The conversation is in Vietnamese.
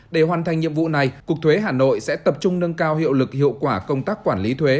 để hoàn thành nhiệm vụ này cục thuế hà nội sẽ tập trung nâng cao hiệu lực hiệu quả công tác quản lý thuế